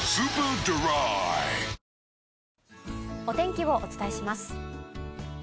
お天気をお伝えします。